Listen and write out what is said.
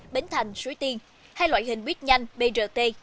bến thành suối tiên hai loại hình buýt nhanh brt